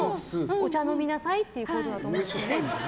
お茶飲みなさいっていうことだと思うんですけど。